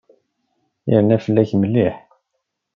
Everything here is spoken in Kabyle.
Yerna fell-ak mliḥ.